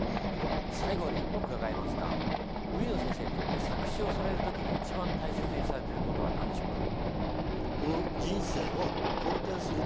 最後にうかがいますが売野先生にとって作詞をされる時に一番大切にされてることは何でしょうか？